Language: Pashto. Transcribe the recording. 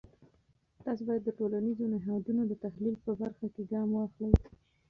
تاسې باید د ټولنیزو نهادونو د تحلیل په برخه کې ګام واخلی.